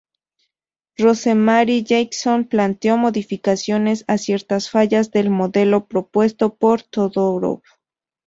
Rosemary Jackson planteó modificaciones a ciertas fallas del modelo propuesto por Todorov.